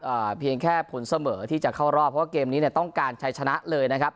เพียงแค่ผลเสมอที่จะเข้ารอบเพราะว่าเกมนี้เนี่ยต้องการใช้ชนะเลยนะครับ